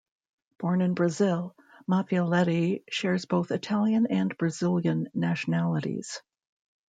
Born in Brazil, Maffioletti shares both Italian and Brazilian nationalities.